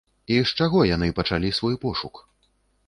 І з чаго яны пачалі свой пошук?